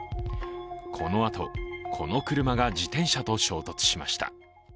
このあと、この車が自転車と衝突しました。